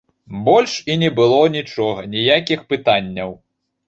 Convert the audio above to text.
Больш і не было нічога, ніякіх пытанняў.